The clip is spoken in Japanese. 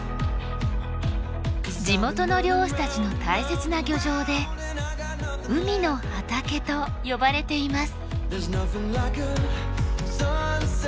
地元の漁師たちの大切な漁場で海の畑と呼ばれています。